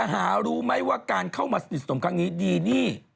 หารู้ไหมว่าการเข้ามาสนิทสนมครั้งนี้ดีนี่